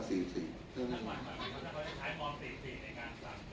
คุณท่านหวังว่าประชาธิบัติไม่ชอบมาตรา๔๔